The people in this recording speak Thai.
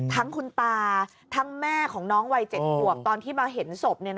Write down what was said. ทั้งคุณตาทั้งแม่ของน้องวัย๗ขวบตอนที่มาเห็นศพ